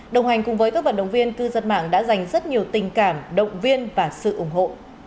đồng hành cùng với các vận động viên cư dân mạng đã dành rất nhiều tình cảm động viên và sự ủng hộ